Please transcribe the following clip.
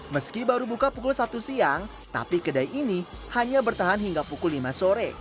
meski baru buka pukul satu siang tapi kedai ini hanya bertahan hingga pukul lima sore